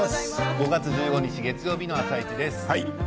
５月１５日月曜日の「あさイチ」です。